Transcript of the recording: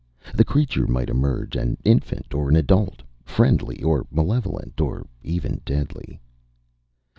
The creature might emerge an infant or an adult. Friendly or malevolent. Or even deadly.